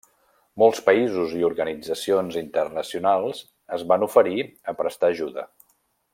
Molts països i organitzacions internacionals es van oferir a prestar ajuda.